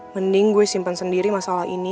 mending gue simpen sendiri masalah ini